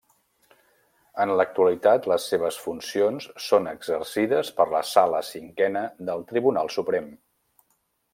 En l'actualitat les seves funcions són exercides per la Sala Cinquena del Tribunal Suprem.